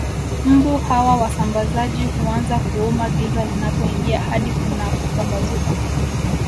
Mbu hawa wasambazaji huanza kuuma giza linapoingia hadi kunapopambazuka